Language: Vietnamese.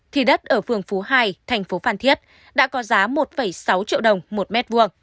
thì đất ở phường phú hai thành phố phan thiết đã có giá một sáu triệu đồng một m hai